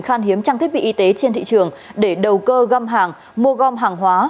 khan hiếm trang thiết bị y tế trên thị trường để đầu cơ găm hàng mua gom hàng hóa